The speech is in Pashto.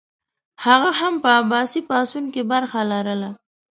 هغه هم په عباسي پاڅون کې برخه لرله.